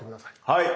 はい。